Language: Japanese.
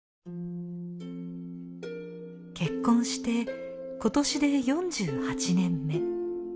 結婚して今年で４８年目。